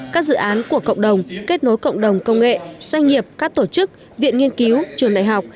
các dự án của cộng đồng kết nối cộng đồng công nghệ doanh nghiệp các tổ chức viện nghiên cứu trường đại học